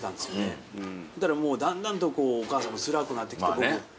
もうだんだんとこうお母さんもつらくなってきて。